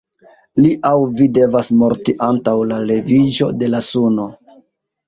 Li aŭ vi devas morti antaŭ la leviĝo de la suno.